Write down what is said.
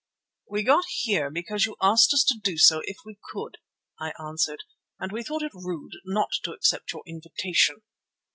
"We got here because you asked us to do so if we could," I answered, "and we thought it rude not to accept your invitation.